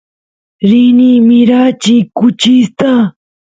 rini mirachiy kuchista